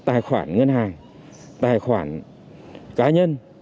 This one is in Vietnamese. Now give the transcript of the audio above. tài khoản ngân hàng tài khoản ngân hàng tài khoản ngân hàng tài khoản ngân hàng